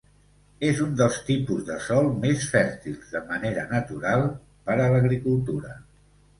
És un dels tipus de sòl més fèrtils, de manera natural, per a l'agricultura.